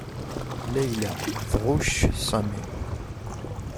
Layla tɣucc Sami.